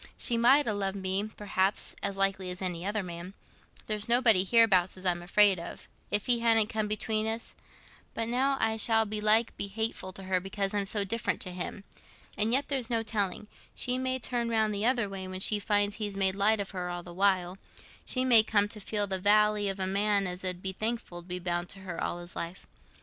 She might ha' loved me, perhaps, as likely as any other man—there's nobody hereabouts as I'm afraid of, if he hadn't come between us; but now I shall belike be hateful to her because I'm so different to him. And yet there's no telling—she may turn round the other way, when she finds he's made light of her all the while. She may come to feel the vally of a man as 'ud be thankful to be bound to her all his life.